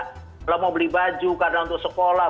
kalau mau beli baju karena untuk sekolah